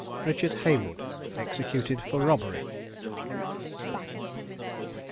RICHARD HAYWOOD. EXECUTED FOR ROBBERY.